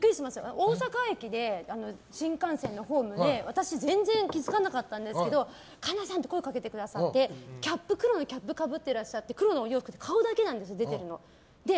大阪駅の新幹線のホームで私、全然気づかなかったんですけど神田さんって声かけてくださって黒のキャップかぶってらっしゃって黒のお洋服で顔だけが出てるんです。